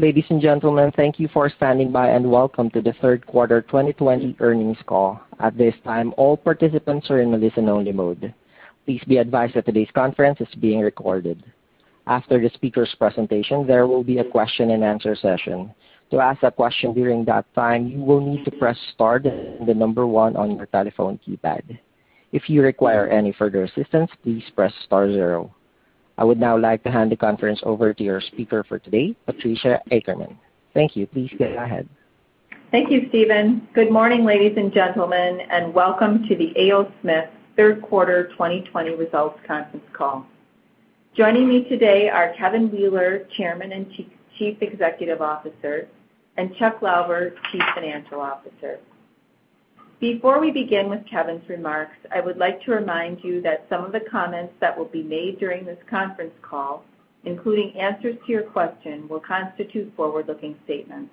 Ladies and gentlemen, thank you for standing by and welcome to the third quarter 2020 earnings call. At this time, all participants are in a listen-only mode. Please be advised that today's conference is being recorded. After the speaker's presentation, there will be a question-and-answer session. To ask a question during that time, you will need to press star and the number one on your telephone keypad. If you require any further assistance, please press star zero. I would now like to hand the conference over to your speaker for today, Patricia Ackerman. Thank you. Please go ahead. Thank you, Stephen. Good morning, ladies and gentlemen, and welcome to the A. O. Smith third quarter 2020 results conference call. Joining me today are Kevin Wheeler, Chairman and Chief Executive Officer, and Chuck Lauber, Chief Financial Officer. Before we begin with Kevin's remarks, I would like to remind you that some of the comments that will be made during this conference call, including answers to your question, will constitute forward-looking statements.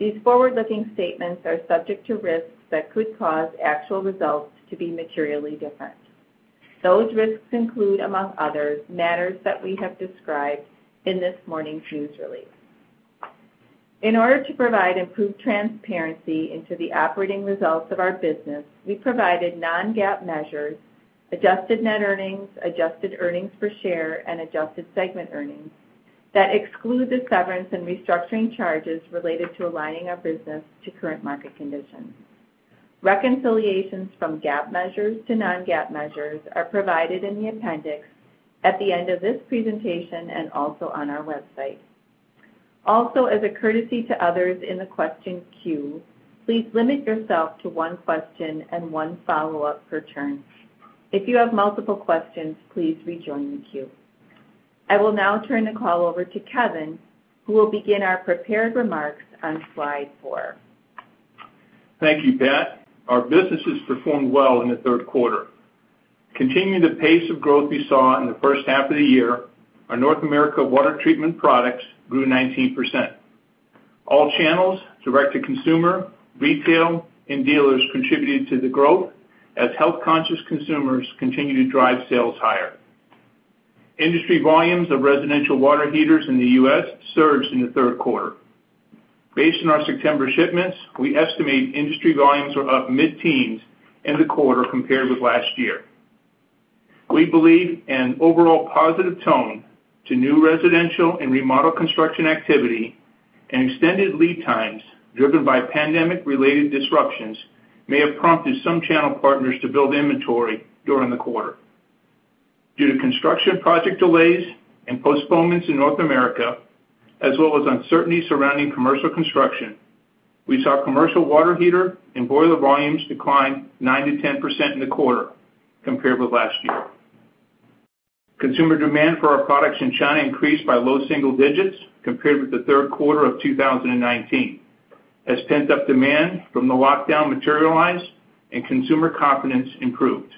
These forward-looking statements are subject to risks that could cause actual results to be materially different. Those risks include, among others, matters that we have described in this morning's news release. In order to provide improved transparency into the operating results of our business, we provided non-GAAP measures, adjusted net earnings, adjusted earnings per share, and adjusted segment earnings that exclude the severance and restructuring charges related to aligning our business to current market conditions. Reconciliations from GAAP measures to non-GAAP measures are provided in the appendix at the end of this presentation and also on our website. Also, as a courtesy to others in the question queue, please limit yourself to one question and one follow-up per turn. If you have multiple questions, please rejoin the queue. I will now turn the call over to Kevin, who will begin our prepared remarks on slide four. Thank you, Pat. Our business has performed well in the third quarter. Continuing the pace of growth we saw in the first half of the year, our North America water treatment products grew 19%. All channels, direct-to-consumer, retail, and dealers contributed to the growth as health-conscious consumers continue to drive sales higher. Industry volumes of residential water heaters in the U.S. surged in the third quarter. Based on our September shipments, we estimate industry volumes were up mid-teens in the quarter compared with last year. We believe an overall positive tone to new residential and remodel construction activity and extended lead times driven by pandemic-related disruptions may have prompted some channel partners to build inventory during the quarter. Due to construction project delays and postponements in North America, as well as uncertainty surrounding commercial construction, we saw commercial water heater and boiler volumes decline 9-10% in the quarter compared with last year. Consumer demand for our products in China increased by low single digits compared with the third quarter of 2019, as pent-up demand from the lockdown materialized and consumer confidence improved.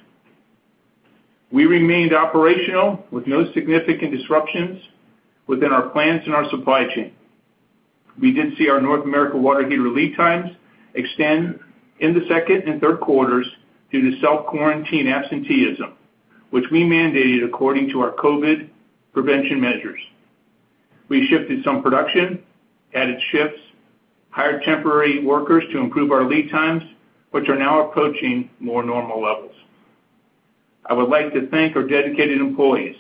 We remained operational with no significant disruptions within our plants and our supply chain. We did see our North America water heater lead times extend in the second and third quarters due to self-quarantine absenteeism, which we mandated according to our COVID prevention measures. We shifted some production, added shifts, and hired temporary workers to improve our lead times, which are now approaching more normal levels. I would like to thank our dedicated employees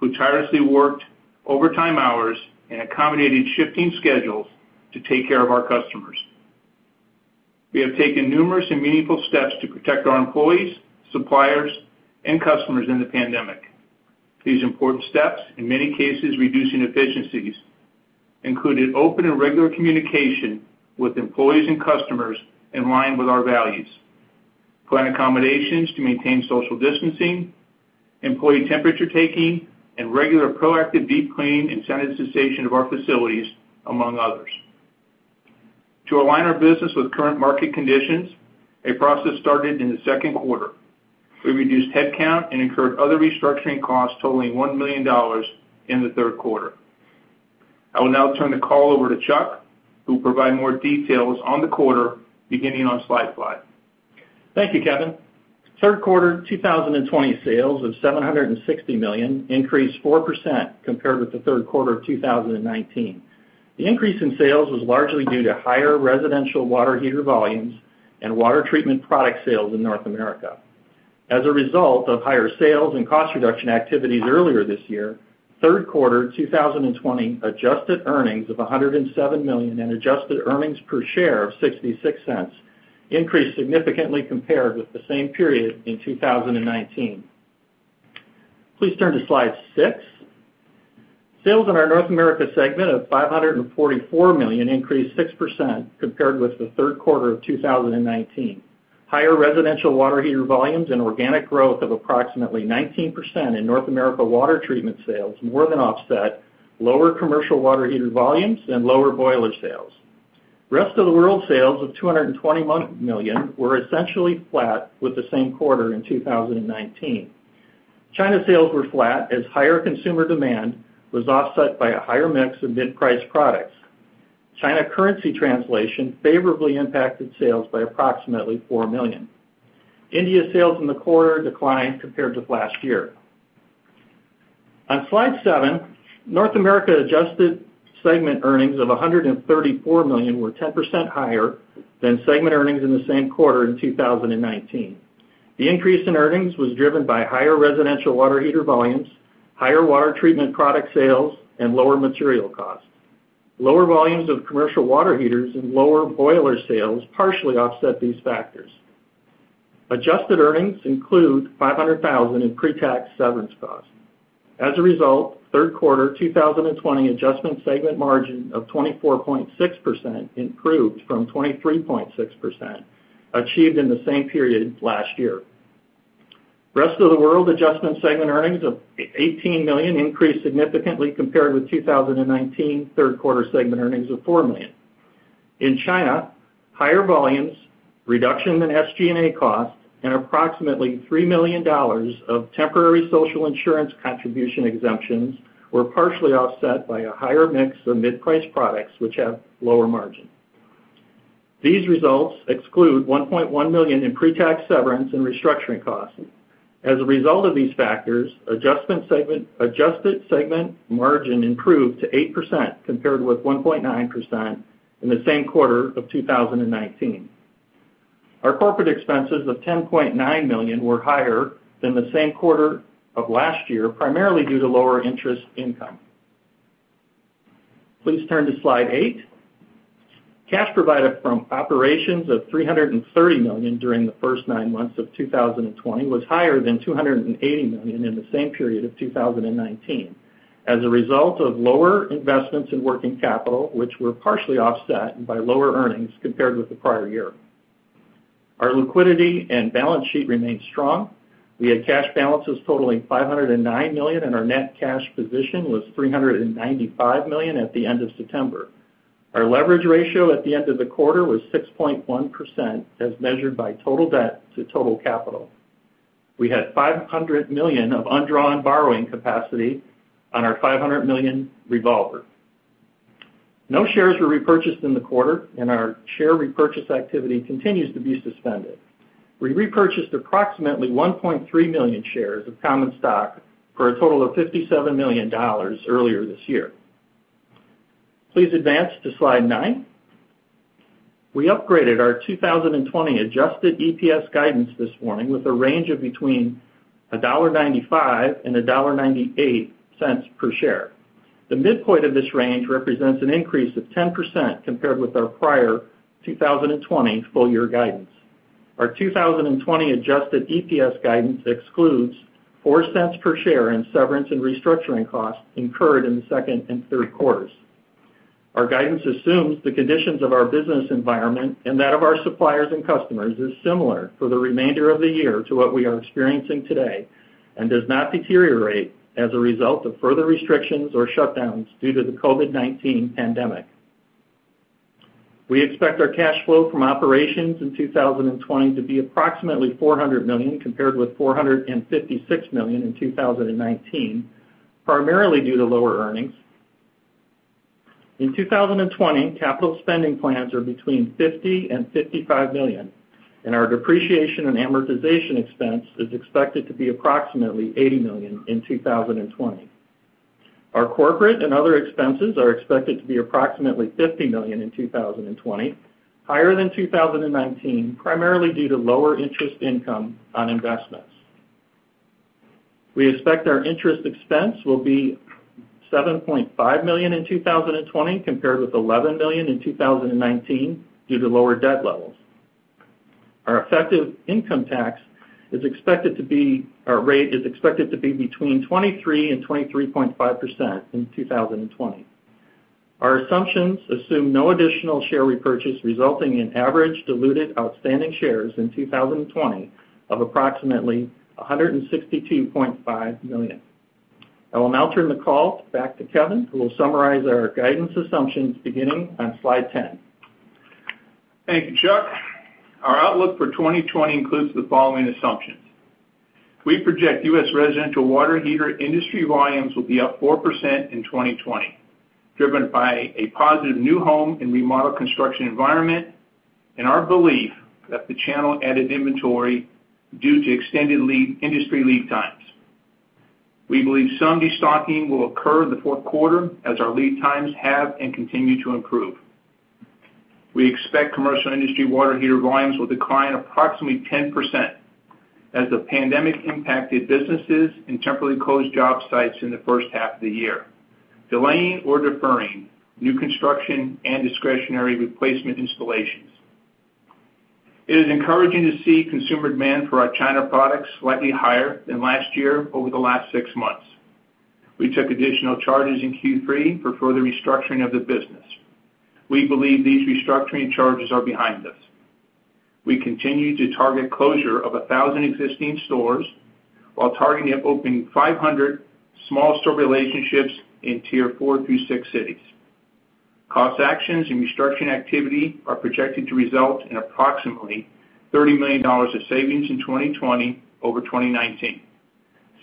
who tirelessly worked overtime hours and accommodated shifting schedules to take care of our customers. We have taken numerous and meaningful steps to protect our employees, suppliers, and customers in the pandemic. These important steps, in many cases reducing efficiencies, included open and regular communication with employees and customers in line with our values, planned accommodations to maintain social distancing, employee temperature taking, and regular proactive deep cleaning and sanitization of our facilities, among others. To align our business with current market conditions, a process started in the second quarter. We reduced headcount and incurred other restructuring costs totaling $1 million in the third quarter. I will now turn the call over to Chuck, who will provide more details on the quarter beginning on slide five. Thank you, Kevin. Third quarter 2020 sales of $760 million increased 4% compared with the third quarter of 2019. The increase in sales was largely due to higher residential water heater volumes and water treatment product sales in North America. As a result of higher sales and cost reduction activities earlier this year, third quarter 2020 adjusted earnings of $107 million and adjusted earnings per share of $0.66 increased significantly compared with the same period in 2019. Please turn to slide six. Sales in our North America segment of $544 million increased 6% compared with the third quarter of 2019. Higher residential water heater volumes and organic growth of approximately 19% in North America water treatment sales more than offset lower commercial water heater volumes and Rest of the World sales of $220 million were essentially flat with the same quarter in 2019. China sales were flat as higher consumer demand was offset by a higher mix of mid-price products. China currency translation favorably impacted sales by approximately $4 million. India sales in the quarter declined compared with last year. On slide seven, North America adjusted segment earnings of $134 million were 10% higher than segment earnings in the same quarter in 2019. The increase in earnings was driven by higher residential water heater volumes, higher water treatment product sales, and lower material costs. Lower volumes of commercial water heaters and lower boiler sales partially offset these factors. Adjusted earnings include $500,000 in pre-tax severance costs. As a result, third quarter 2020 adjusted segment margin of 24.6% improved from 23.6% achieved in the same Rest of the World adjusted segment earnings of $18 million increased significantly compared with 2019 third quarter segment earnings of $4 million. In China, higher volumes, reduction in SG&A costs, and approximately $3 million of temporary social insurance contribution exemptions were partially offset by a higher mix of mid-price products which have lower margins. These results exclude $1.1 million in pre-tax severance and restructuring costs. As a result of these factors, adjusted segment margin improved to 8% compared with 1.9% in the same quarter of 2019. Our corporate expenses of $10.9 million were higher than the same quarter of last year primarily due to lower interest income. Please turn to slide eight. Cash provided from operations of $330 million during the first nine months of 2020 was higher than $280 million in the same period of 2019 as a result of lower investments in working capital which were partially offset by lower earnings compared with the prior year. Our liquidity and balance sheet remained strong. We had cash balances totaling $509 million, and our net cash position was $395 million at the end of September. Our leverage ratio at the end of the quarter was 6.1% as measured by total debt to total capital. We had $500 million of undrawn borrowing capacity on our $500 million revolver. No shares were repurchased in the quarter, and our share repurchase activity continues to be suspended. We repurchased approximately 1.3 million shares of common stock for a total of $57 million earlier this year. Please advance to slide nine. We upgraded our 2020 adjusted EPS guidance this morning with a range of between $1.95 and $1.98 per share. The midpoint of this range represents an increase of 10% compared with our prior 2020 full-year guidance. Our 2020 adjusted EPS guidance excludes $0.04 per share in severance and restructuring costs incurred in the second and third quarters. Our guidance assumes the conditions of our business environment and that of our suppliers and customers is similar for the remainder of the year to what we are experiencing today and does not deteriorate as a result of further restrictions or shutdowns due to the COVID-19 pandemic. We expect our cash flow from operations in 2020 to be approximately $400 million compared with $456 million in 2019, primarily due to lower earnings. In 2020, capital spending plans are between $50-$55 million, and our depreciation and amortization expense is expected to be approximately $80 million in 2020. Our corporate and other expenses are expected to be approximately $50 million in 2020, higher than 2019 primarily due to lower interest income on investments. We expect our interest expense will be $7.5 million in 2020 compared with $11 million in 2019 due to lower debt levels. Our effective income tax rate is expected to be between 23% and 23.5% in 2020. Our assumptions assume no additional share repurchase resulting in average diluted outstanding shares in 2020 of approximately $162.5 million. I will now turn the call back to Kevin, who will summarize our guidance assumptions beginning on slide ten. Thank you, Chuck. Our outlook for 2020 includes the following assumptions. We project U.S. residential water heater industry volumes will be up 4% in 2020, driven by a positive new home and remodel construction environment and our belief that the channel added inventory due to extended industry lead times. We believe some destocking will occur in the fourth quarter as our lead times have and continue to improve. We expect commercial industry water heater volumes will decline approximately 10% as the pandemic impacted businesses and temporarily closed job sites in the first half of the year, delaying or deferring new construction and discretionary replacement installations. It is encouraging to see consumer demand for our China products slightly higher than last year over the last six months. We took additional charges in Q3 for further restructuring of the business. We believe these restructuring charges are behind us. We continue to target closure of 1,000 existing stores while targeting opening 500 small store relationships in tier four through six cities. Cost actions and restructuring activity are projected to result in approximately $30 million of savings in 2020 over 2019,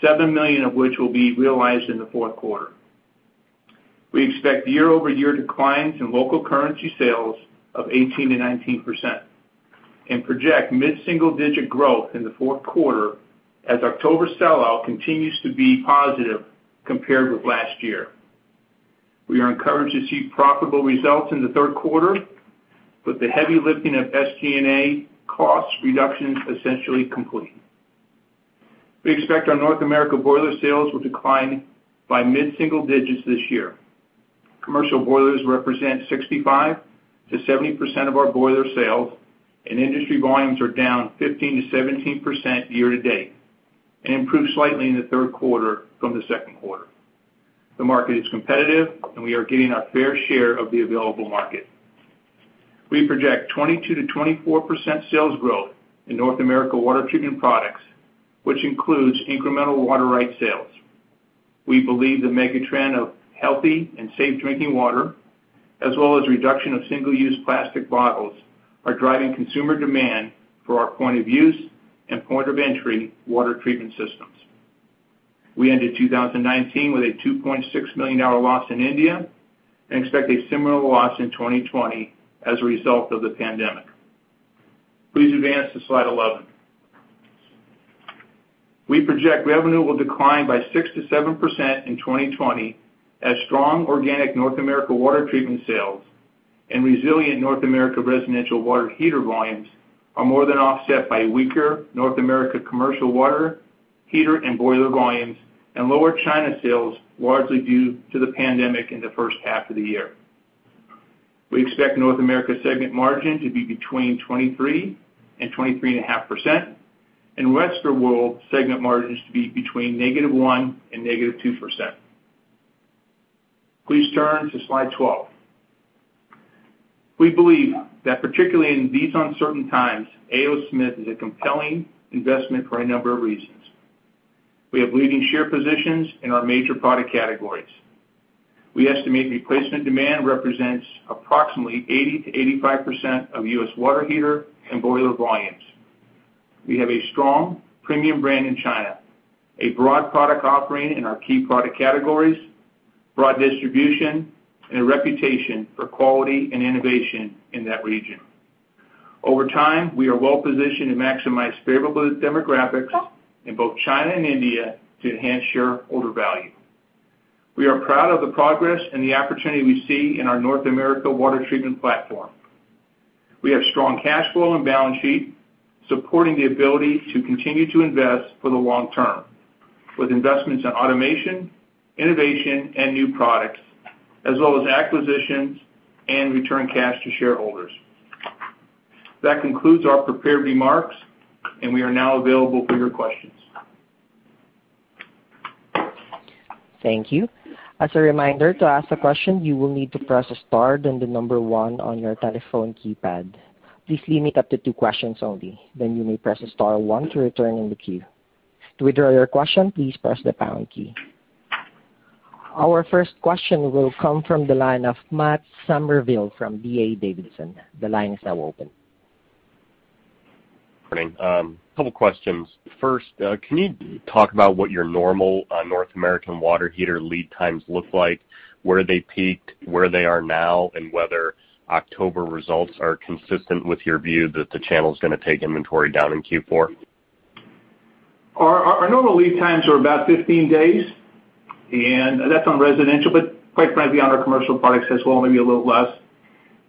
$7 million of which will be realized in the fourth quarter. We expect year-over-year declines in local currency sales of 18-19% and project mid-single-digit growth in the fourth quarter as October sellout continues to be positive compared with last year. We are encouraged to see profitable results in the third quarter, but the heavy lifting of SG&A cost reductions essentially complete. We expect our North America boiler sales will decline by mid-single digits this year. Commercial boilers represent 65-70% of our boiler sales, and industry volumes are down 15-17% year to date and improved slightly in the third quarter from the second quarter. The market is competitive, and we are getting our fair share of the available market. We project 22-24% sales growth in North America water treatment products, which includes incremental water rights sales. We believe the megatrend of healthy and safe drinking water, as well as reduction of single-use plastic bottles, are driving consumer demand for our point of use and point of entry water treatment systems. We ended 2019 with a $2.6 million loss in India and expect a similar loss in 2020 as a result of the pandemic. Please advance to slide eleven. We project revenue will decline by 6-7% in 2020 as strong organic North America water treatment sales and resilient North America residential water heater volumes are more than offset by weaker North America commercial water heater and boiler volumes and lower China sales largely due to the pandemic in the first half of the year. We expect North America segment margin to be Rest of the World segment margins to be between negative 1 and negative 2%. Please turn to slide twelve. We believe that particularly in these uncertain times, A. O. Smith is a compelling investment for a number of reasons. We have leading share positions in our major product categories. We estimate replacement demand represents approximately 80%-85% of U.S. water heater and boiler volumes. We have a strong premium brand in China, a broad product offering in our key product categories, broad distribution, and a reputation for quality and innovation in that region. Over time, we are well positioned to maximize favorable demographics in both China and India to enhance shareholder value. We are proud of the progress and the opportunity we see in our North America water treatment platform. We have strong cash flow and balance sheet supporting the ability to continue to invest for the long term with investments in automation, innovation, and new products, as well as acquisitions and return cash to shareholders. That concludes our prepared remarks, and we are now available for your questions. Thank you. As a reminder, to ask a question, you will need to press star then the number one on your telephone keypad. Please limit up to two questions only. You may press star one to return in the queue. To withdraw your question, please press the pound key. Our first question will come from the line of Matt Summerville from D.A. Davidson. The line is now open. Good morning. A couple of questions. First, can you talk about what your normal North American water heater lead times look like, where they peaked, where they are now, and whether October results are consistent with your view that the channel is going to take inventory down in Q4? Our normal lead times are about 15 days, and that's on residential, but quite frankly, on our commercial products as well, maybe a little less.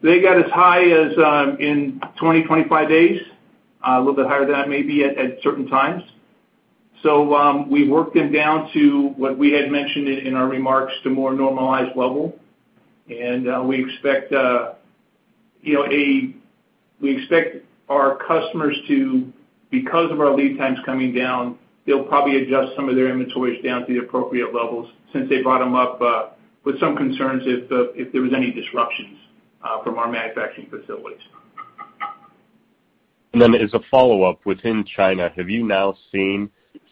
They got as high as 20-25 days, a little bit higher than that maybe at certain times. We have worked them down to what we had mentioned in our remarks to a more normalized level, and we expect our customers to, because of our lead times coming down, they'll probably adjust some of their inventories down to the appropriate levels since they brought them up with some concerns if there were any disruptions from our manufacturing facilities. As a follow-up, within China, have you now seen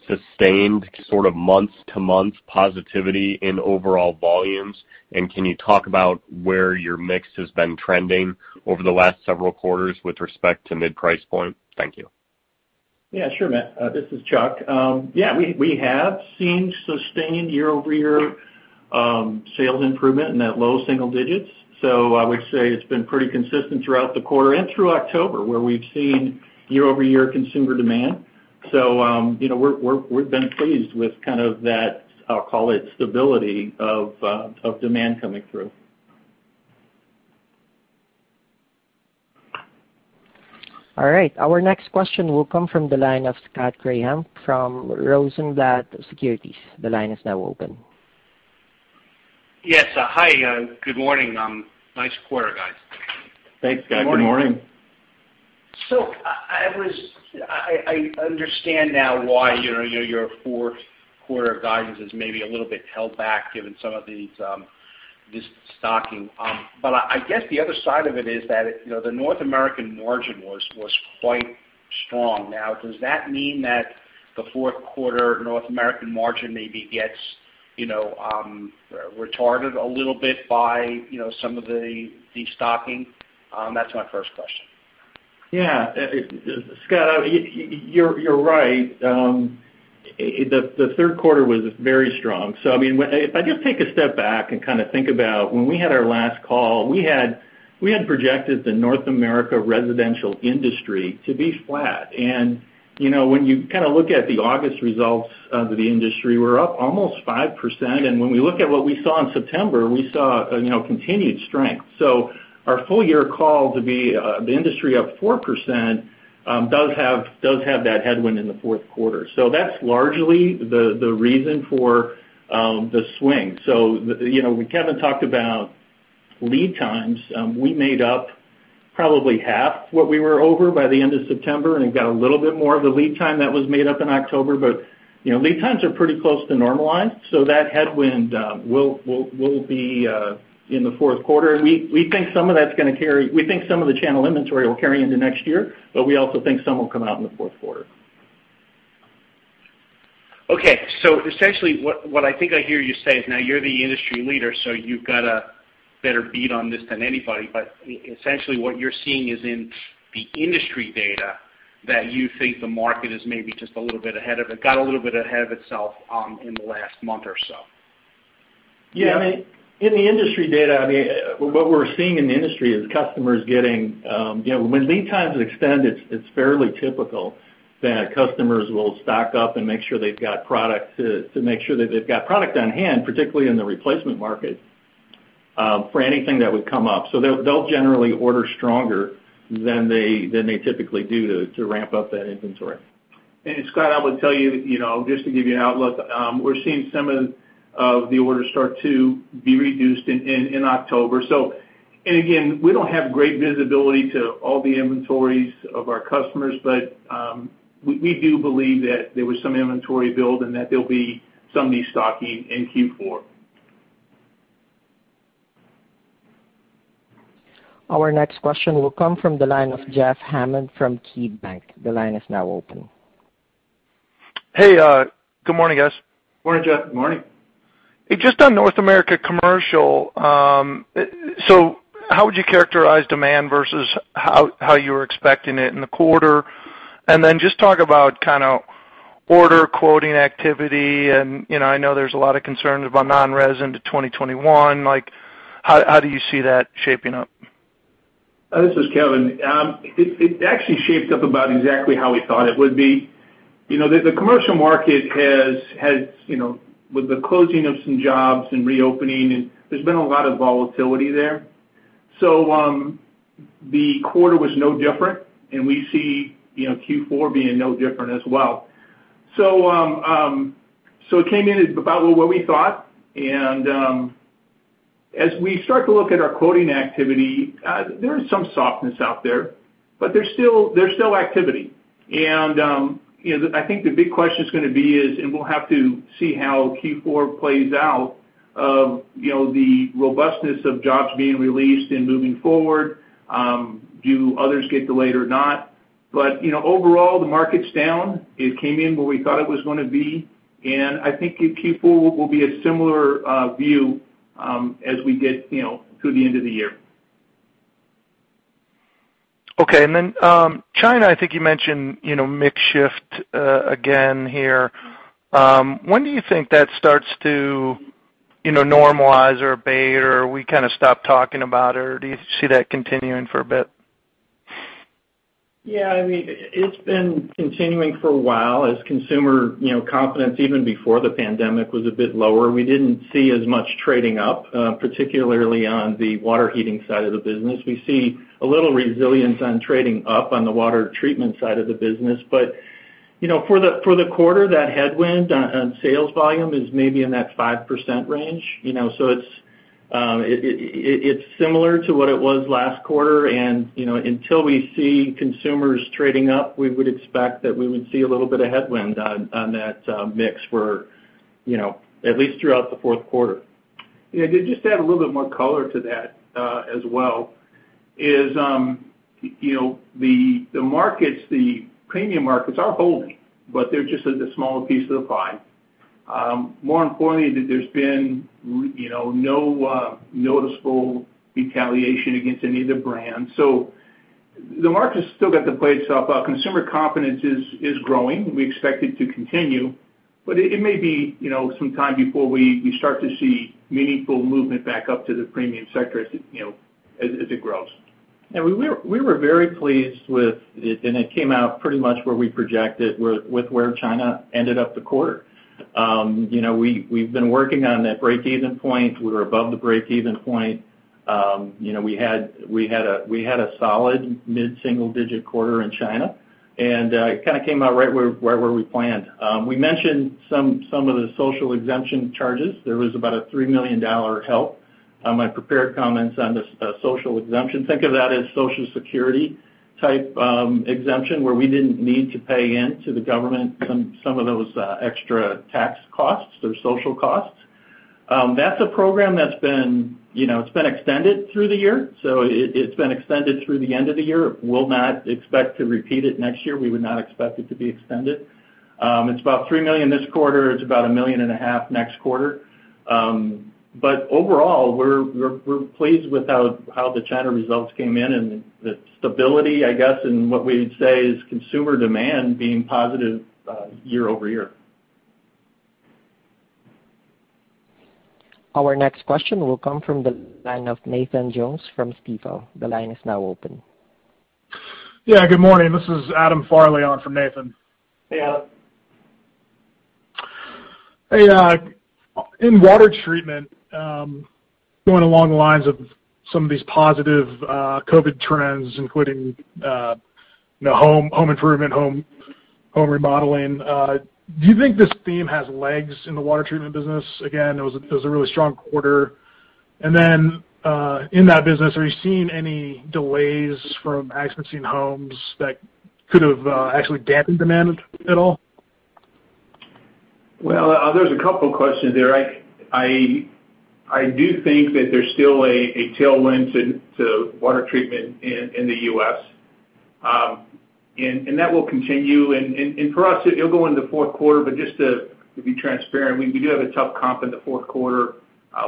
sustained sort of month-to-month positivity in overall volumes, and can you talk about where your mix has been trending over the last several quarters with respect to mid-price point? Thank you. Yeah, sure, Matt. This is Chuck. Yeah, we have seen sustained year-over-year sales improvement in that low single digits. I would say it's been pretty consistent throughout the quarter and through October where we've seen year-over-year consumer demand. We've been pleased with kind of that, I'll call it, stability of demand coming through. All right. Our next question will come from the line of Scott Graham from Rosenblatt Securities. The line is now open. Yes. Hi. Good morning. Nice quarter, guys. Thanks, Scott. Good morning. I understand now why your fourth quarter guidance is maybe a little bit held back given some of this stocking. I guess the other side of it is that the North American margin was quite strong. Now, does that mean that the fourth quarter North American margin maybe gets retarded a little bit by some of the stocking? That's my first question. Yeah. Scott, you're right. The third quarter was very strong. I mean, if I just take a step back and kind of think about when we had our last call, we had projected the North America residential industry to be flat. When you kind of look at the August results of the industry, we're up almost 5%. When we look at what we saw in September, we saw continued strength. Our full-year call to be the industry up 4% does have that headwind in the fourth quarter. That's largely the reason for the swing. When Kevin talked about lead times, we made up probably half what we were over by the end of September and got a little bit more of the lead time that was made up in October. Lead times are pretty close to normalized, so that headwind will be in the fourth quarter. We think some of that is going to carry, we think some of the channel inventory will carry into next year, but we also think some will come out in the fourth quarter. Okay. Essentially what I think I hear you say is now you're the industry leader, so you've got a better beat on this than anybody. Essentially what you're seeing is in the industry data that you think the market is maybe just a little bit ahead of it, got a little bit ahead of itself in the last month or so. Yeah. I mean, in the industry data, I mean, what we're seeing in the industry is customers getting when lead times extend, it's fairly typical that customers will stock up and make sure they've got product to make sure that they've got product on hand, particularly in the replacement market for anything that would come up. They'll generally order stronger than they typically do to ramp up that inventory. Scott, I would tell you, just to give you an outlook, we're seeing some of the orders start to be reduced in October. Again, we don't have great visibility to all the inventories of our customers, but we do believe that there was some inventory build and that there'll be some destocking in Q4. Our next question will come from the line of Jeff Hammond from KeyBanc Capital Markets. The line is now open. Hey. Good morning, guys. Morning, Jeff. Good morning. Hey, just on North America commercial. How would you characterize demand versus how you were expecting it in the quarter? Just talk about kind of order quoting activity. I know there's a lot of concerns about non-res into 2021. How do you see that shaping up? This is Kevin. It actually shaped up about exactly how we thought it would be. The commercial market has, with the closing of some jobs and reopening, there's been a lot of volatility there. The quarter was no different, and we see Q4 being no different as well. It came in about what we thought. As we start to look at our quoting activity, there is some softness out there, but there's still activity. I think the big question is going to be is, and we'll have to see how Q4 plays out of the robustness of jobs being released and moving forward, do others get delayed or not. Overall, the market's down. It came in where we thought it was going to be. I think Q4 will be a similar view as we get through the end of the year. Okay. China, I think you mentioned mixed shift again here. When do you think that starts to normalize or abate or we kind of stop talking about it? Or do you see that continuing for a bit? Yeah. I mean, it's been continuing for a while as consumer confidence, even before the pandemic, was a bit lower. We didn't see as much trading up, particularly on the water heating side of the business. We see a little resilience on trading up on the water treatment side of the business. For the quarter, that headwind on sales volume is maybe in that 5% range. It's similar to what it was last quarter. Until we see consumers trading up, we would expect that we would see a little bit of headwind on that mix for at least throughout the fourth quarter. Yeah. Just to add a little bit more color to that as well is the markets, the premium markets are holding, but they're just a smaller piece of the pie. More importantly, there's been no noticeable retaliation against any of the brands. The market's still got to play itself out. Consumer confidence is growing. We expect it to continue, but it may be some time before we start to see meaningful movement back up to the premium sector as it grows. Yeah. We were very pleased with it, and it came out pretty much where we projected with where China ended up the quarter. We've been working on that break-even point. We were above the break-even point. We had a solid mid-single-digit quarter in China, and it kind of came out right where we planned. We mentioned some of the social exemption charges. There was about a $3 million help on my prepared comments on the social exemption. Think of that as social security-type exemption where we did not need to pay into the government some of those extra tax costs or social costs. That's a program that's been extended through the year. It's been extended through the end of the year. We'll not expect to repeat it next year. We would not expect it to be extended. It's about $3 million this quarter. It's about $1.5 million next quarter. Overall, we're pleased with how the China results came in and the stability, I guess, in what we would say is consumer demand being positive year over-year. Our next question will come from the line of Nathan Jones from Stifel. The line is now open. Yeah. Good morning. This is Adam Farley on from Nathan. Hey, Adam. Hey. In water treatment, going along the lines of some of these positive COVID trends, including home improvement, home remodeling, do you think this theme has legs in the water treatment business? Again, it was a really strong quarter. In that business, are you seeing any delays from accessing homes that could have actually dampened demand at all? There is a couple of questions there. I do think that there is still a tailwind to water treatment in the U.S., and that will continue. For us, it will go into the fourth quarter. Just to be transparent, we do have a tough comp in the fourth quarter.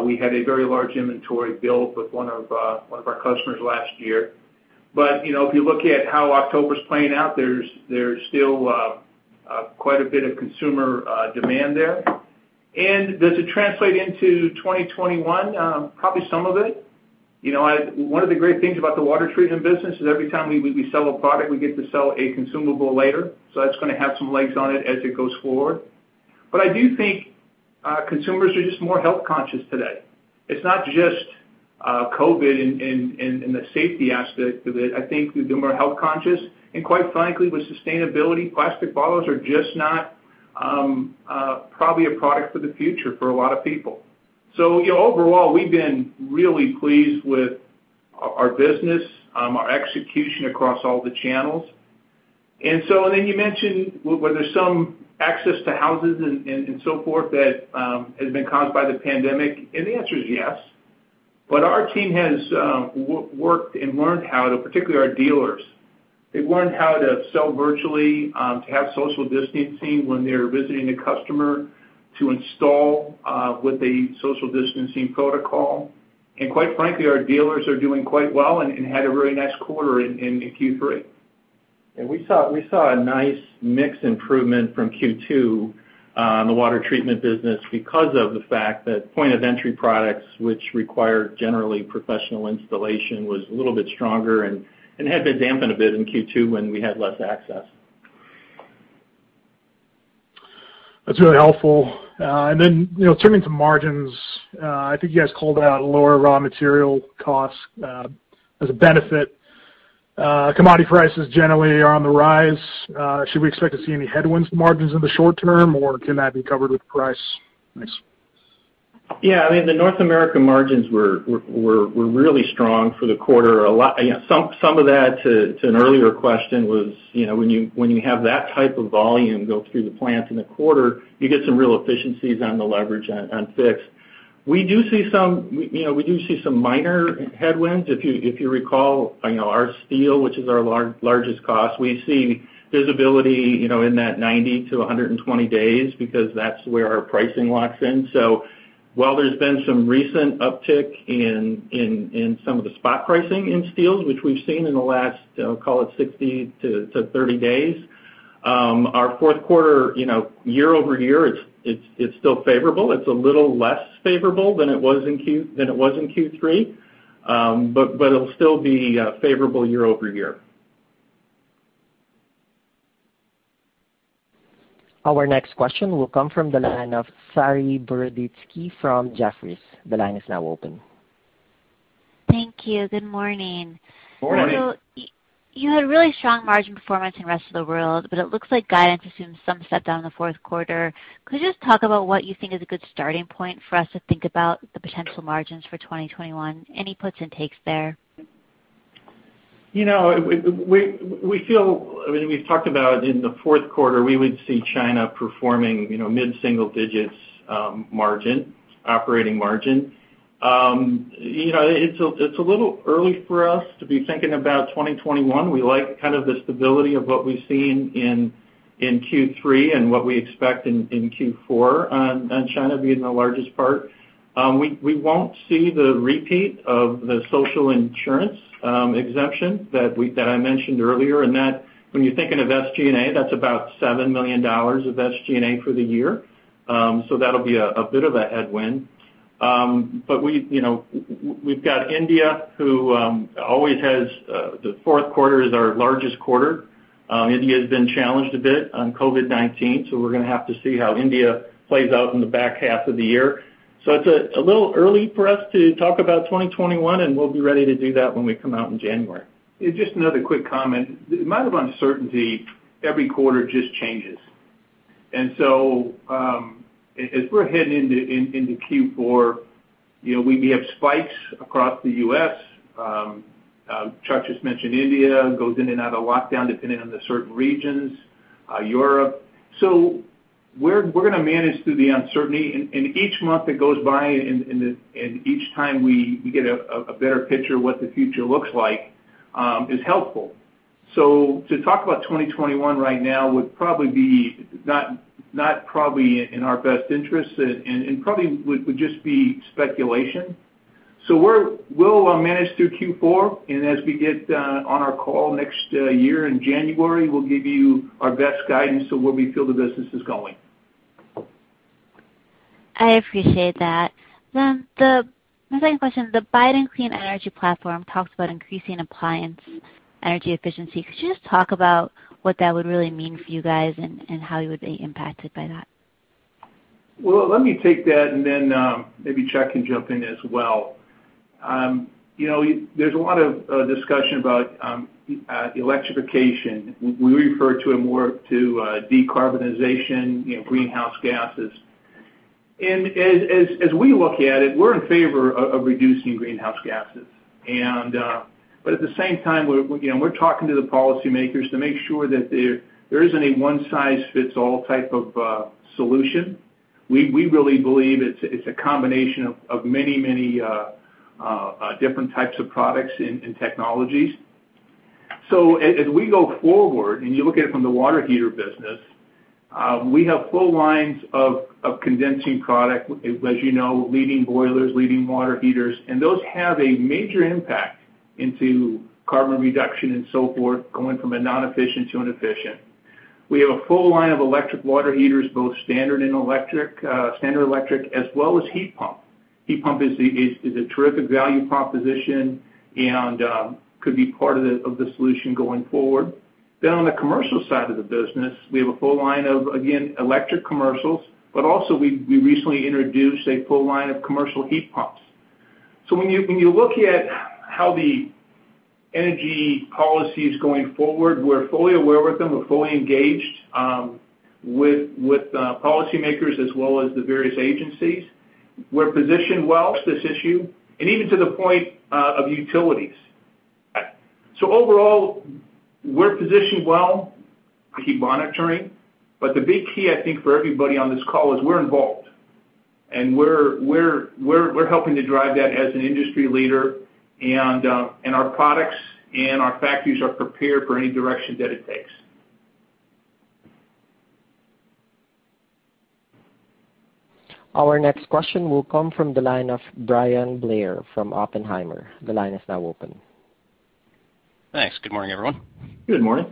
We had a very large inventory build with one of our customers last year. If you look at how October is playing out, there is still quite a bit of consumer demand there. Does it translate into 2021? Probably some of it. One of the great things about the water treatment business is every time we sell a product, we get to sell a consumable later. That is going to have some legs on it as it goes forward. I do think consumers are just more health conscious today. It is not just COVID and the safety aspect of it. I think they're more health conscious. And quite frankly, with sustainability, plastic bottles are just not probably a product for the future for a lot of people. Overall, we've been really pleased with our business, our execution across all the channels. You mentioned whether some access to houses and so forth that has been caused by the pandemic. The answer is yes. Our team has worked and learned how to, particularly our dealers. They've learned how to sell virtually, to have social distancing when they're visiting a customer, to install with a social distancing protocol. Quite frankly, our dealers are doing quite well and had a really nice quarter in Q3. We saw a nice mixed improvement from Q2 on the water treatment business because of the fact that point-of-entry products, which required generally professional installation, was a little bit stronger and had been dampened a bit in Q2 when we had less access. That's really helpful. Turning to margins, I think you guys called out lower raw material costs as a benefit. Commodity prices generally are on the rise. Should we expect to see any headwinds to margins in the short term, or can that be covered with price? Thanks. Yeah. I mean, the North America margins were really strong for the quarter. Some of that, to an earlier question, was when you have that type of volume go through the plant in the quarter, you get some real efficiencies on the leverage on fix. We do see some minor headwinds. If you recall, our steel, which is our largest cost, we see visibility in that 90-120 days because that's where our pricing locks in. While there's been some recent uptick in some of the spot pricing in steel, which we've seen in the last, I'll call it 60-30 days, our fourth quarter, year-over-year, it's still favorable. It's a little less favorable than it was in Q3, but it'll still be favorable year-over-year. Our next question will come from the line of Saree Boroditsky from Jefferies. The line is now open. Thank you. Good morning. Morning. You had a really strong margin Rest of the World, but it looks like guidance assumes some set down in the fourth quarter. Could you just talk about what you think is a good starting point for us to think about the potential margins for 2021? Any puts and takes there? We feel, I mean, we've talked about in the fourth quarter, we would see China performing mid-single-digit margin, operating margin. It's a little early for us to be thinking about 2021. We like kind of the stability of what we've seen in Q3 and what we expect in Q4 on China being the largest part. We won't see the repeat of the social insurance exemption that I mentioned earlier. When you're thinking of SG&A, that's about $7 million of SG&A for the year. That'll be a bit of a headwind. We've got India who always has the fourth quarter as our largest quarter. India has been challenged a bit on COVID-19, so we're going to have to see how India plays out in the back half of the year. It's a little early for us to talk about 2021, and we'll be ready to do that when we come out in January. Just another quick comment. The amount of uncertainty every quarter just changes. As we are heading into Q4, we have spikes across the U.S. Chuck just mentioned India goes in and out of lockdown depending on the certain regions, Europe. We are going to manage through the uncertainty. Each month that goes by and each time we get a better picture of what the future looks like is helpful. To talk about 2021 right now would probably be not probably in our best interest and probably would just be speculation. We will manage through Q4. As we get on our call next year in January, we will give you our best guidance to where we feel the business is going. I appreciate that. The second question, the Biden Clean Energy Platform talks about increasing appliance energy efficiency. Could you just talk about what that would really mean for you guys and how you would be impacted by that? Let me take that and then maybe Chuck can jump in as well. There is a lot of discussion about electrification. We refer to it more to decarbonization, greenhouse gases. As we look at it, we are in favor of reducing greenhouse gases. At the same time, we are talking to the policymakers to make sure that there is not a one-size-fits-all type of solution. We really believe it is a combination of many, many different types of products and technologies. As we go forward and you look at it from the water heater business, we have full lines of condensing product, as you know, leading boilers, leading water heaters. Those have a major impact into carbon reduction and so forth, going from a non-efficient to an efficient. We have a full line of electric water heaters, both standard and electric, standard electric, as well as heat pump. Heat pump is a terrific value proposition and could be part of the solution going forward. On the commercial side of the business, we have a full line of, again, electric commercials, but also we recently introduced a full line of commercial heat pumps. When you look at how the energy policy is going forward, we're fully aware with them. We're fully engaged with policymakers as well as the various agencies. We're positioned well. This issue, and even to the point of utilities. Overall, we're positioned well. Keep monitoring. The big key, I think, for everybody on this call is we're involved. We're helping to drive that as an industry leader. Our products and our factories are prepared for any direction that it takes. Our next question will come from the line of Bryan Blair from Oppenheimer. The line is now open. Thanks. Good morning, everyone. Good morning.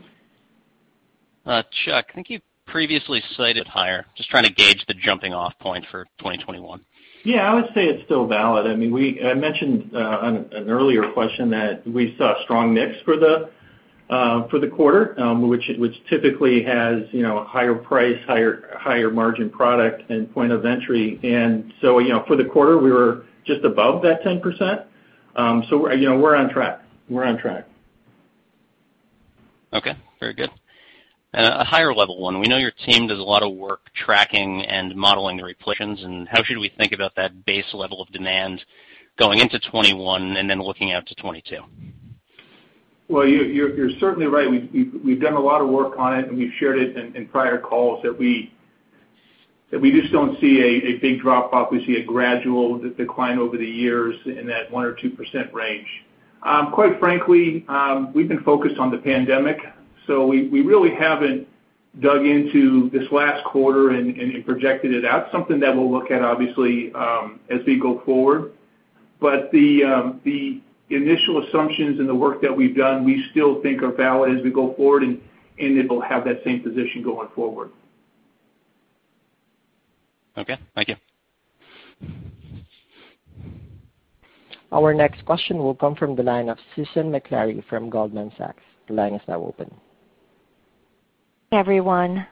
Chuck, I think you previously cited higher. Just trying to gauge the jumping-off point for 2021. Yeah. I would say it's still valid. I mean, I mentioned on an earlier question that we saw a strong mix for the quarter, which typically has a higher price, higher margin product and point of entry. For the quarter, we were just above that 10%. We're on track. We're on track. Okay. Very good. A higher-level one. We know your team does a lot of work tracking and modeling the replenishments. How should we think about that base level of demand going into 2021 and then looking out to 2022? You're certainly right. We've done a lot of work on it, and we've shared it in prior calls that we just don't see a big drop-off. We see a gradual decline over the years in that 1-2% range. Quite frankly, we've been focused on the pandemic. We really haven't dug into this last quarter and projected it out. Something that we'll look at, obviously, as we go forward. The initial assumptions and the work that we've done, we still think are valid as we go forward, and it will have that same position going forward. Okay. Thank you. Our next question will come from the line of Susan Maklari from Goldman Sachs. The line is now open. Hey, everyone.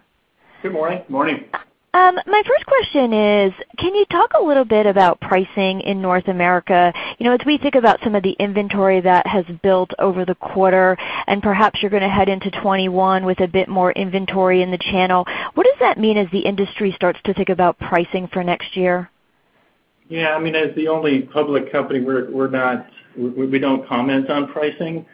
Good morning. Morning. My first question is, can you talk a little bit about pricing in North America as we think about some of the inventory that has built over the quarter? Perhaps you're going to head into 2021 with a bit more inventory in the channel. What does that mean as the industry starts to think about pricing for next year? Yeah. I mean, as the only public company, we do not comment on pricing,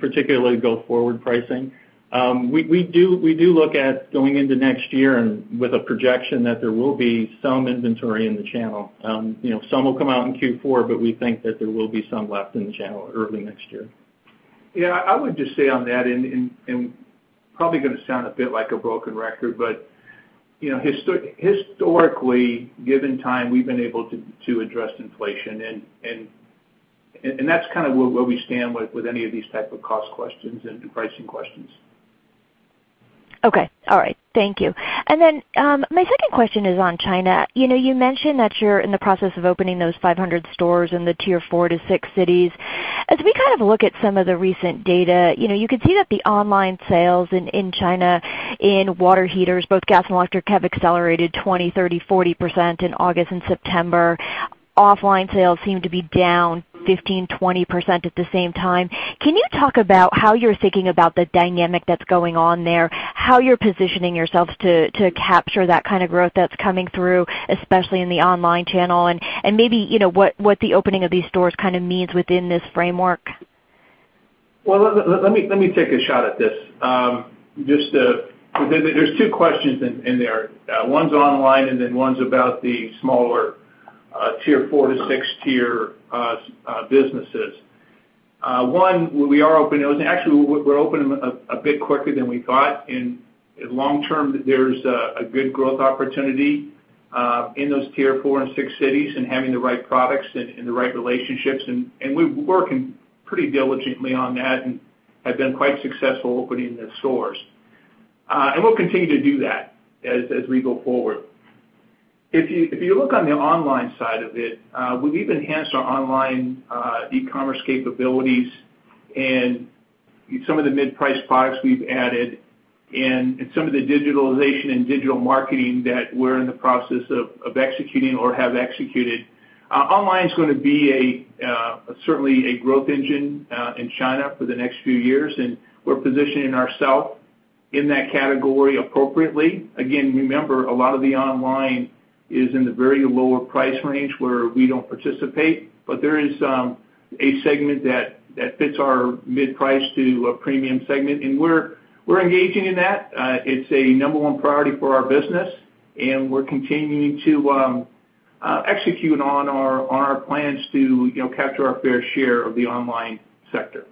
particularly go forward pricing. We do look at going into next year with a projection that there will be some inventory in the channel. Some will come out in Q4, but we think that there will be some left in the channel early next year. Yeah. I would just say on that, and probably going to sound a bit like a broken record, but historically, given time, we've been able to address inflation. That's kind of where we stand with any of these type of cost questions and pricing questions. Okay. All right. Thank you. My second question is on China. You mentioned that you're in the process of opening those 500 stores in the tier four to six cities. As we kind of look at some of the recent data, you could see that the online sales in China in water heaters, both gas and electric, have accelerated 20%-30%-40% in August and September. Offline sales seem to be down 15%-20% at the same time. Can you talk about how you're thinking about the dynamic that's going on there, how you're positioning yourselves to capture that kind of growth that's coming through, especially in the online channel, and maybe what the opening of these stores kind of means within this framework? Let me take a shot at this. There are two questions in there. One is online and then one is about the smaller tier four to six tier businesses. One, we are opening those. Actually, we are opening a bit quicker than we thought. Long term, there is a good growth opportunity in those tier four and six cities and having the right products and the right relationships. We have been working pretty diligently on that and have been quite successful opening the stores. We will continue to do that as we go forward. If you look on the online side of it, we have even enhanced our online e-commerce capabilities and some of the mid-price products we have added and some of the digitalization and digital marketing that we are in the process of executing or have executed. Online is going to be certainly a growth engine in China for the next few years. We are positioning ourselves in that category appropriately. Again, remember, a lot of the online is in the very lower price range where we do not participate. There is a segment that fits our mid-price to a premium segment. We are engaging in that. It is a number one priority for our business. We are continuing to execute on our plans to capture our fair share of the online sector.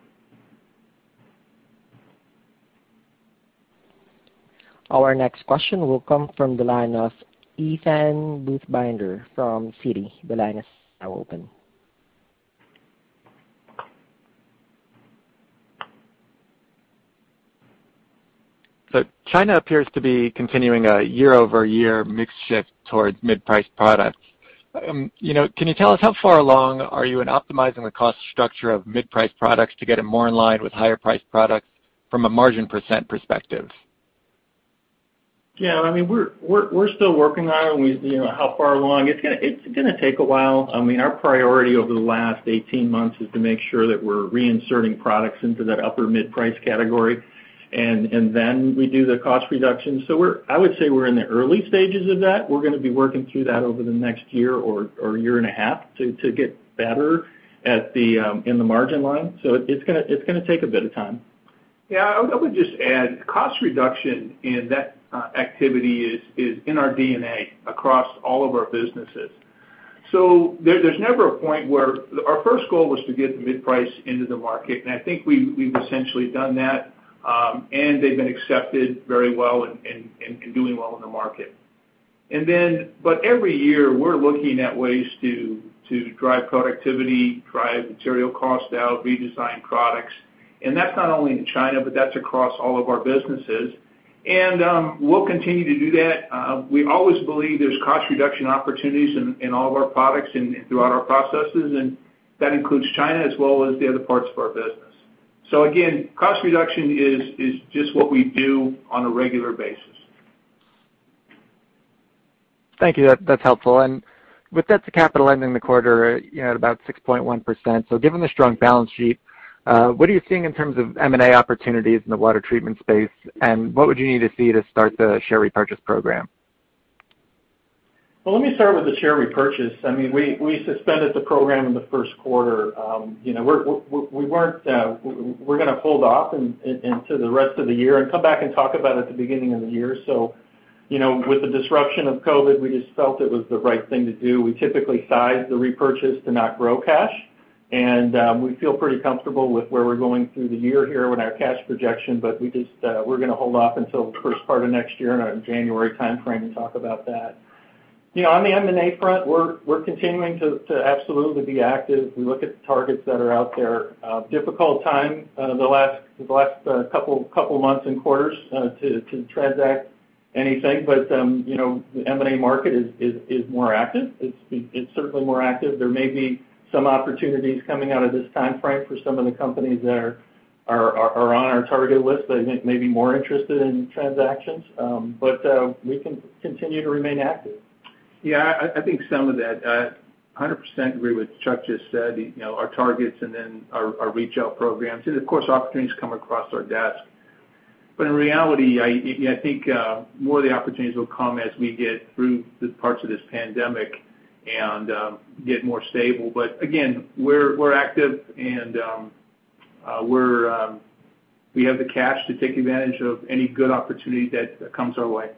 Our next question will come from the line of Eitan Buchbinder from Citi. The line is now open. China appears to be continuing a year-over-year mixed shift towards mid-price products. Can you tell us how far along are you in optimizing the cost structure of mid-price products to get it more in line with higher price products from a margin % perspective? Yeah. I mean, we're still working on how far along. It's going to take a while. I mean, our priority over the last 18 months is to make sure that we're reinserting products into that upper mid-price category. Then we do the cost reduction. I would say we're in the early stages of that. We're going to be working through that over the next year or year and a half to get better at the margin line. It's going to take a bit of time. Yeah. I would just add cost reduction in that activity is in our DNA across all of our businesses. There is never a point where our first goal was to get the mid-price into the market. I think we have essentially done that. They have been accepted very well and doing well in the market. Every year, we are looking at ways to drive productivity, drive material costs out, redesign products. That is not only in China, but that is across all of our businesses. We will continue to do that. We always believe there are cost reduction opportunities in all of our products and throughout our processes. That includes China as well as the other parts of our business. Cost reduction is just what we do on a regular basis. Thank you. That's helpful. With that, the capital ending the quarter at about 6.1%. Given the strong balance sheet, what are you seeing in terms of M&A opportunities in the water treatment space? What would you need to see to start the share repurchase program? Let me start with the share repurchase. I mean, we suspended the program in the first quarter. We are going to hold off into the rest of the year and come back and talk about it at the beginning of the year. With the disruption of COVID, we just felt it was the right thing to do. We typically size the repurchase to not grow cash. We feel pretty comfortable with where we are going through the year here with our cash projection. We are going to hold off until the first part of next year in our January timeframe and talk about that. On the M&A front, we are continuing to absolutely be active. We look at the targets that are out there. Difficult time the last couple of months and quarters to transact anything. The M&A market is more active. It is certainly more active. There may be some opportunities coming out of this timeframe for some of the companies that are on our target list that may be more interested in transactions. We can continue to remain active. Yeah. I think some of that. I 100% agree with what Chuck just said. Our targets and then our reach-out programs. Of course, opportunities come across our desk. In reality, I think more of the opportunities will come as we get through the parts of this pandemic and get more stable. Again, we're active. We have the cash to take advantage of any good opportunity that comes our way.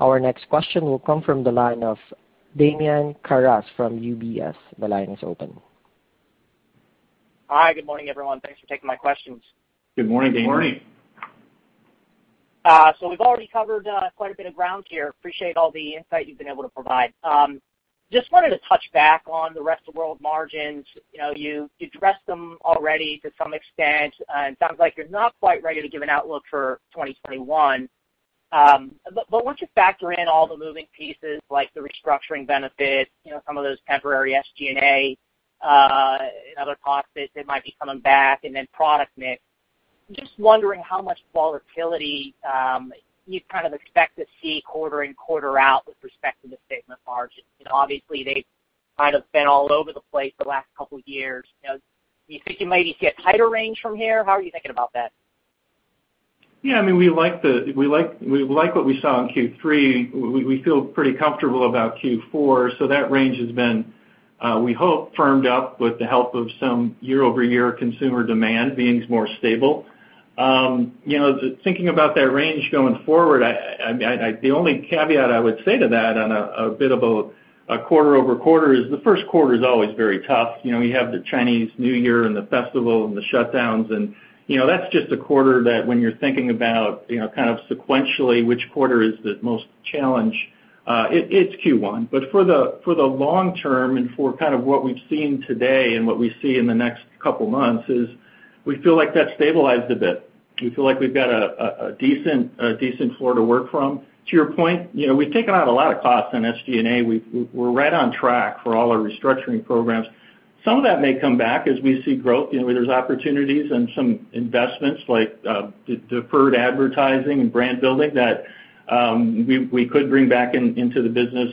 Our next question will come from the line of Damian Karas from UBS. The line is open. Hi. Good morning, everyone. Thanks for taking my questions. Good morning, Damian. Good morning. We've already covered quite a bit of ground here. Appreciate all the insight you've been able to provide. Just wanted to touch back on the rest of world margins. You addressed them already to some extent. It sounds like you're not quite ready to give an outlook for 2021. Once you factor in all the moving pieces like the restructuring benefits, some of those temporary SG&A and other costs that might be coming back, and then product mix, just wondering how much volatility you kind of expect to see quarter and quarter out with respect to the statement margins. Obviously, they've kind of been all over the place the last couple of years. Do you think you maybe see a tighter range from here? How are you thinking about that? Yeah. I mean, we like what we saw in Q3. We feel pretty comfortable about Q4. That range has been, we hope, firmed up with the help of some year-over-year consumer demand being more stable. Thinking about that range going forward, the only caveat I would say to that on a bit of a quarter over quarter is the first quarter is always very tough. You have the Chinese New Year and the festival and the shutdowns. That is just a quarter that when you're thinking about kind of sequentially which quarter is the most challenge, it's Q1. For the long term and for kind of what we've seen today and what we see in the next couple of months, we feel like that has stabilized a bit. We feel like we've got a decent floor to work from. To your point, we've taken out a lot of costs on SG&A. We're right on track for all our restructuring programs. Some of that may come back as we see growth. There's opportunities and some investments like deferred advertising and brand building that we could bring back into the business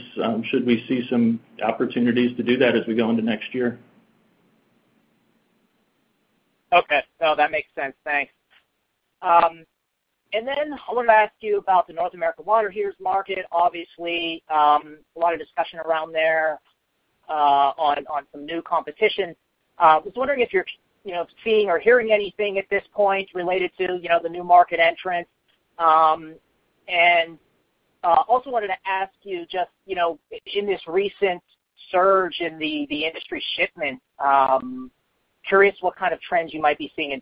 should we see some opportunities to do that as we go into next year. Okay. No, that makes sense. Thanks. I wanted to ask you about the North America water heaters market. Obviously, a lot of discussion around there on some new competition. I was wondering if you're seeing or hearing anything at this point related to the new market entrants. I also wanted to ask you just in this recent surge in the industry shipment, curious what kind of trends you might be seeing in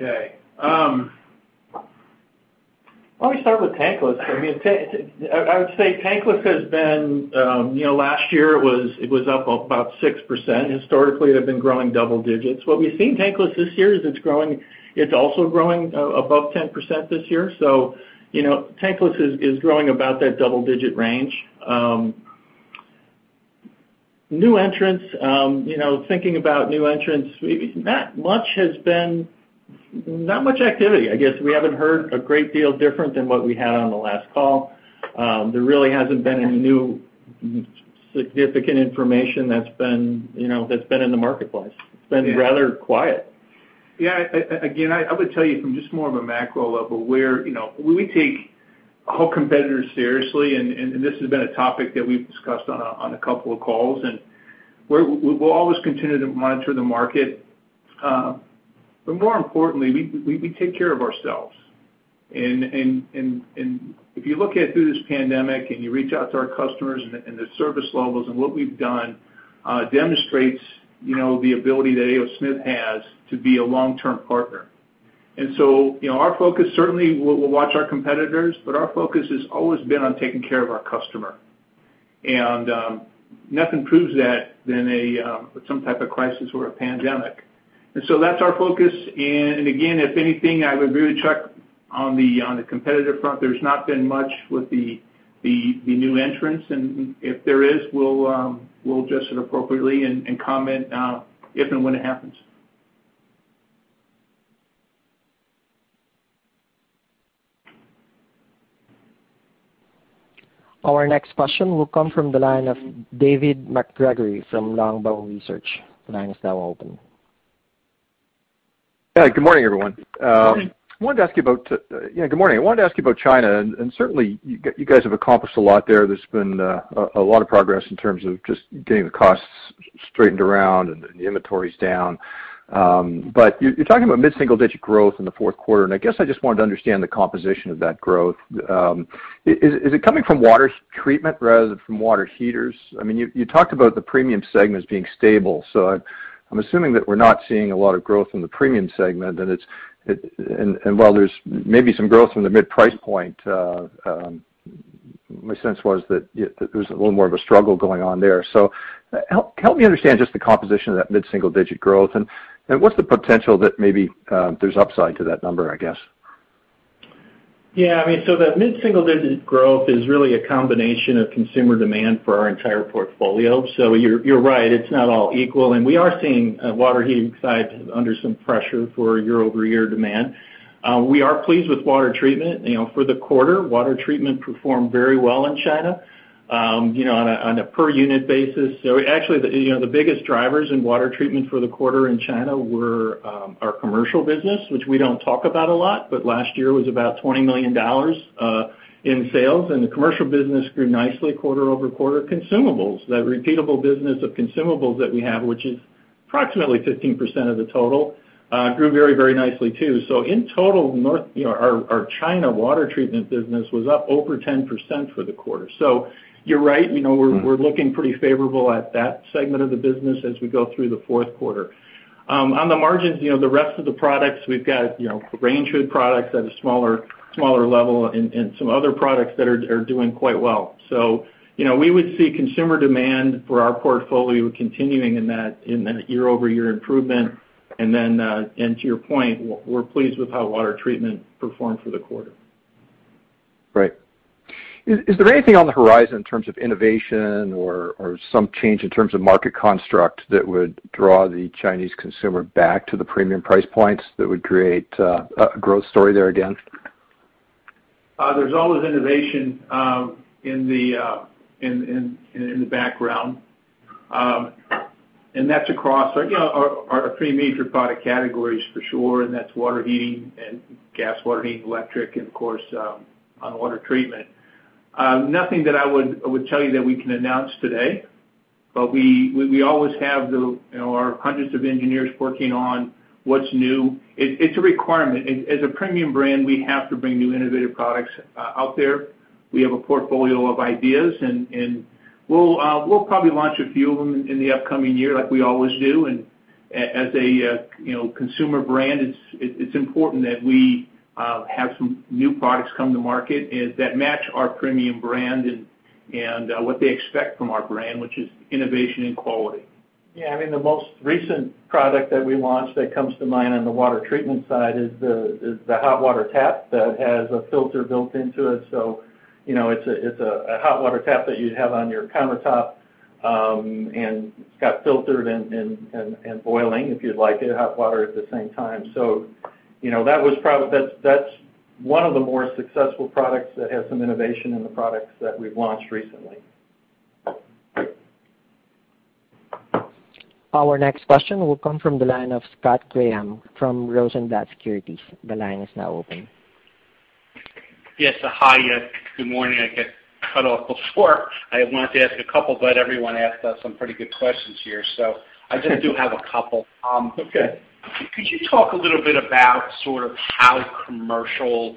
tankless. Okay. Why don't we start with tankless? I mean, I would say tankless has been last year, it was up about 6%. Historically, it had been growing double digits. What we've seen tankless this year is it's also growing above 10% this year. So tankless is growing about that double-digit range. New entrants, thinking about new entrants, not much has been not much activity. I guess we haven't heard a great deal different than what we had on the last call. There really hasn't been any new significant information that's been in the marketplace. It's been rather quiet. Yeah. Again, I would tell you from just more of a macro level where we take all competitors seriously. This has been a topic that we've discussed on a couple of calls. We'll always continue to monitor the market. More importantly, we take care of ourselves. If you look at through this pandemic and you reach out to our customers and the service levels and what we've done demonstrates the ability that A. O. Smith has to be a long-term partner. Our focus certainly, we'll watch our competitors, but our focus has always been on taking care of our customer. Nothing proves that than some type of crisis or a pandemic. That's our focus. Again, if anything, I would really check on the competitor front. There's not been much with the new entrants. If there is, we'll adjust it appropriately and comment if and when it happens. Our next question will come from the line of David MacGregor from Longbow Research. The line is now open. Hi. Good morning, everyone. I wanted to ask you about, yeah, good morning. I wanted to ask you about China. Certainly, you guys have accomplished a lot there. There has been a lot of progress in terms of just getting the costs straightened around and the inventories down. You are talking about mid-single-digit growth in the fourth quarter. I just wanted to understand the composition of that growth. Is it coming from water treatment rather than from water heaters? I mean, you talked about the premium segment being stable. I am assuming that we are not seeing a lot of growth in the premium segment. While there is maybe some growth from the mid-price point, my sense was that there was a little more of a struggle going on there. Help me understand just the composition of that mid-single-digit growth. What's the potential that maybe there's upside to that number, I guess? Yeah. I mean, the mid-single-digit growth is really a combination of consumer demand for our entire portfolio. You're right. It's not all equal. We are seeing water heating sides under some pressure for year-over-year demand. We are pleased with water treatment. For the quarter, water treatment performed very well in China on a per-unit basis. Actually, the biggest drivers in water treatment for the quarter in China were our commercial business, which we do not talk about a lot. Last year was about $20 million in sales. The commercial business grew nicely quarter over quarter. Consumables, that repeatable business of consumables that we have, which is approximately 15% of the total, grew very, very nicely too. In total, our China water treatment business was up over 10% for the quarter. You're right. We're looking pretty favorable at that segment of the business as we go through the fourth quarter. On the margins, the rest of the products, we've got range hood products at a smaller level and some other products that are doing quite well. We would see consumer demand for our portfolio continuing in that year-over-year improvement. To your point, we're pleased with how water treatment performed for the quarter. Great. Is there anything on the horizon in terms of innovation or some change in terms of market construct that would draw the Chinese consumer back to the premium price points that would create a growth story there again? There's always innovation in the background. That is across our three major product categories for sure. That is water heating and gas water heating, electric, and of course, on water treatment. Nothing that I would tell you that we can announce today. We always have our hundreds of engineers working on what's new. It's a requirement. As a premium brand, we have to bring new innovative products out there. We have a portfolio of ideas. We will probably launch a few of them in the upcoming year like we always do. As a consumer brand, it's important that we have some new products come to market that match our premium brand and what they expect from our brand, which is innovation and quality. Yeah. I mean, the most recent product that we launched that comes to mind on the water treatment side is the hot water tap that has a filter built into it. It is a hot water tap that you would have on your countertop. It has filtered and boiling, if you would like it, hot water at the same time. That was probably one of the more successful products that has some innovation in the products that we have launched recently. Our next question will come from the line of Scott Graham from Rosenblatt Securities. The line is now open. Yes. Hi. Good morning. I got cut off before. I wanted to ask a couple, but everyone asked us some pretty good questions here. I just do have a couple. Could you talk a little bit about sort of how commercial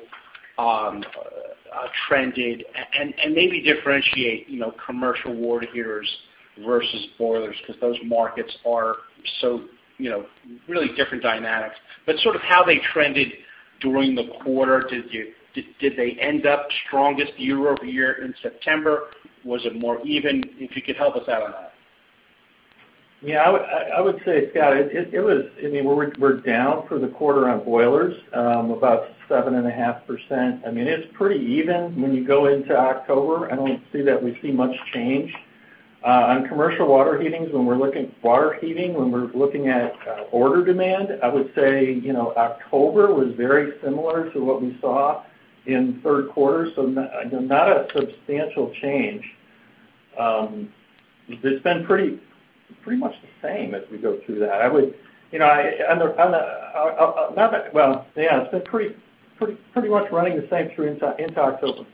trended and maybe differentiate commercial water heaters versus boilers because those markets are so really different dynamics? Sort of how they trended during the quarter, did they end up strongest year-over-year in September? Was it more even? If you could help us out on that. Yeah. I would say, Scott, it was, I mean, we're down for the quarter on boilers, about 7.5%. I mean, it's pretty even when you go into October. I don't see that we see much change. On commercial water heatings, when we're looking at water heating, when we're looking at order demand, I would say October was very similar to what we saw in third quarter. So not a substantial change. It's been pretty much the same as we go through that. I would not that, well, yeah, it's been pretty much running the same through into October.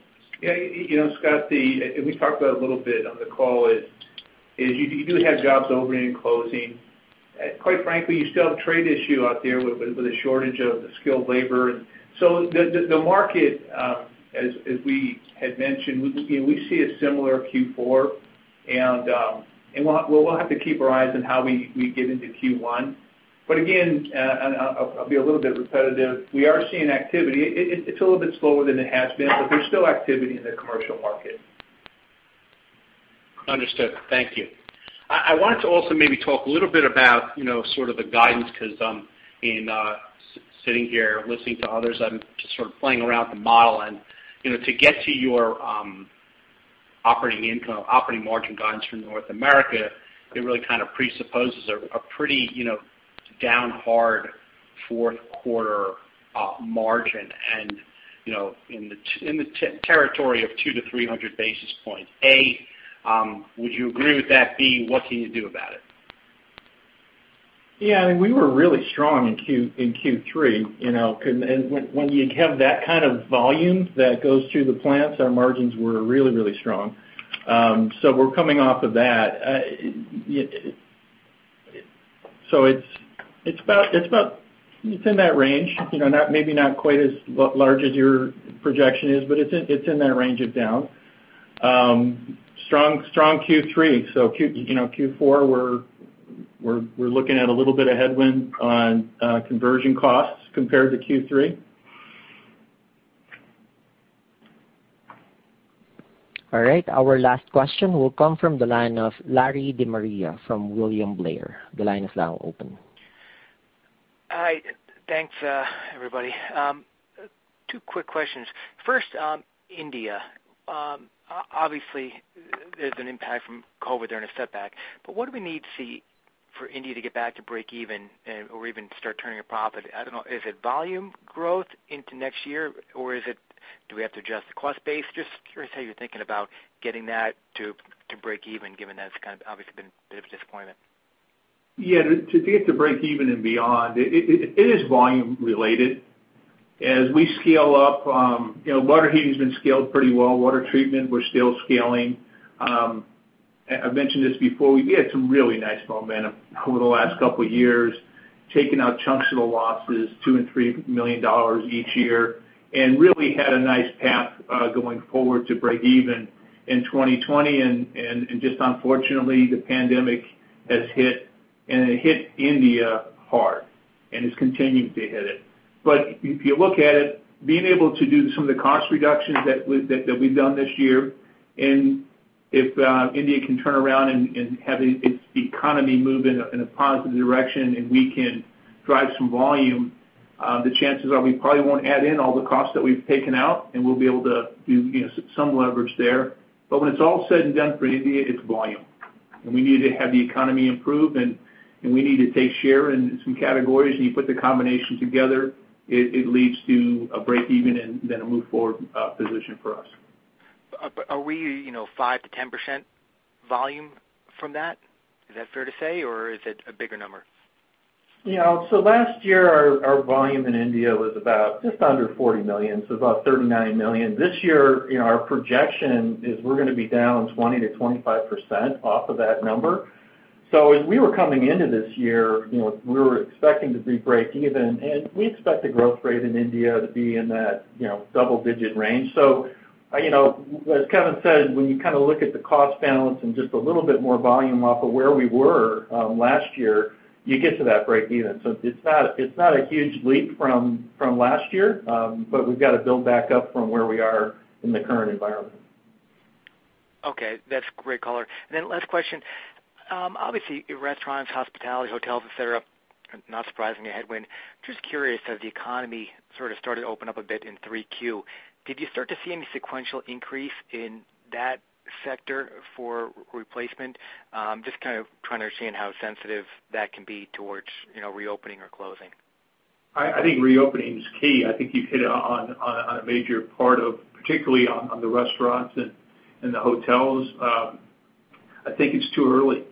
Yeah. Scott, we talked about a little bit on the call is you do have jobs opening and closing. Quite frankly, you still have trade issue out there with a shortage of skilled labor. The market, as we had mentioned, we see a similar Q4. We will have to keep our eyes on how we get into Q1. Again, I will be a little bit repetitive. We are seeing activity. It is a little bit slower than it has been, but there is still activity in the commercial market. Understood. Thank you. I wanted to also maybe talk a little bit about sort of the guidance because in sitting here listening to others, I'm just sort of playing around the model. And to get to your operating margin guidance for North America, it really kind of presupposes a pretty down hard fourth quarter margin and in the territory of 2-300 basis points. A, would you agree with that? B, what can you do about it? Yeah. I mean, we were really strong in Q3. And when you have that kind of volume that goes through the plants, our margins were really, really strong. We are coming off of that. It is about, it is in that range. Maybe not quite as large as your projection is, but it is in that range of down. Strong Q3. Q4, we are looking at a little bit of headwind on conversion costs compared to Q3. All right. Our last question will come from the line of Larry De Maria from William Blair. The line is now open. Hi. Thanks, everybody. Two quick questions. First, India. Obviously, there's an impact from COVID during a setback. What do we need to see for India to get back to break even or even start turning a profit? I don't know. Is it volume growth into next year or do we have to adjust the cost base? Just curious how you're thinking about getting that to break even given that it's kind of obviously been a bit of a disappointment. Yeah. To get to break even and beyond, it is volume related. As we scale up, water heating has been scaled pretty well. Water treatment, we're still scaling. I've mentioned this before. We had some really nice momentum over the last couple of years, taking out chunks of the losses, $2 million and $3 million each year, and really had a nice path going forward to break even in 2020. Just unfortunately, the pandemic has hit, and it hit India hard. It is continuing to hit it. If you look at it, being able to do some of the cost reductions that we've done this year, and if India can turn around and have its economy move in a positive direction and we can drive some volume, the chances are we probably won't add in all the costs that we've taken out, and we'll be able to do some leverage there. When it's all said and done for India, it's volume. We need to have the economy improve, and we need to take share in some categories. You put the combination together, it leads to a break-even and then a move-forward position for us. Are we 5%-10% volume from that? Is that fair to say? Or is it a bigger number? Yeah. Last year, our volume in India was just under $40 million, so about $39 million. This year, our projection is we're going to be down 20%-25% off of that number. As we were coming into this year, we were expecting to be break-even. We expect the growth rate in India to be in that double-digit range. As Kevin said, when you kind of look at the cost balance and just a little bit more volume off of where we were last year, you get to that break-even. It's not a huge leap from last year, but we've got to build back up from where we are in the current environment. Okay. That's great color. Then last question. Obviously, restaurants, hospitality, hotels, etc., not surprising a headwind. Just curious, as the economy sort of started to open up a bit in 3Q, did you start to see any sequential increase in that sector for replacement? Just kind of trying to understand how sensitive that can be towards reopening or closing. I think reopening is key. I think you've hit it on a major part of particularly on the restaurants and the hotels. I think it's too early.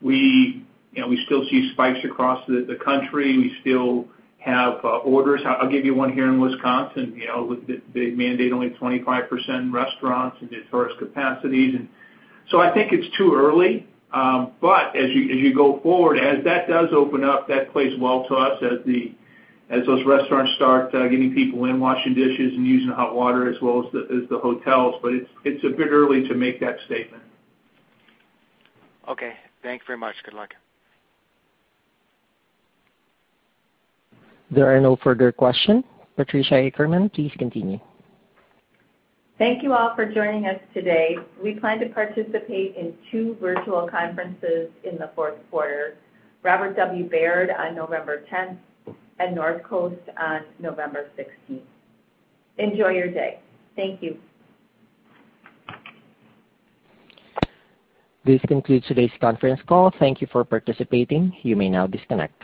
We still see spikes across the country. We still have orders. I'll give you one here in Wisconsin. They mandate only 25% restaurants and historic capacities. I think it's too early. As you go forward, as that does open up, that plays well to us as those restaurants start getting people in, washing dishes and using hot water as well as the hotels. It's a bit early to make that statement. Okay. Thank you very much. Good luck. There are no further questions. Patricia Ackerman, please continue. Thank you all for joining us today. We plan to participate in two virtual conferences in the fourth quarter: Robert W. Baird on November 10 and Northcoast Research on November 16. Enjoy your day. Thank you. This concludes today's conference call. Thank you for participating. You may now disconnect.